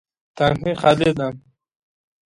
تانکی خالي ده